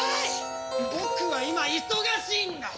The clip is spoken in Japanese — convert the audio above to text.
僕は今忙しいんだ！